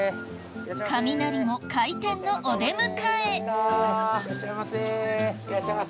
カミナリも開店のお出迎えいらっしゃいませ。